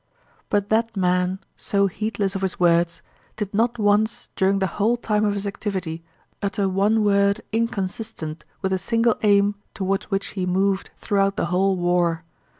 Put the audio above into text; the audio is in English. But that man, so heedless of his words, did not once during the whole time of his activity utter one word inconsistent with the single aim toward which he moved throughout the whole war.